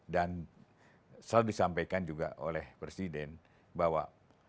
dan selalu disampaikan juga oleh presiden bahwa